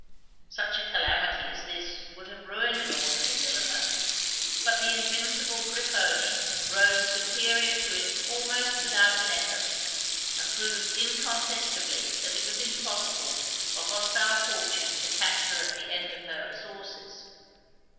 Such a calamity as this would have ruined an ordinary milliner; but the invincible Grifoni rose superior to it almost without an effort, and proved incontestably that it was impossible for hostile Fortune to catch her at the end of her resources.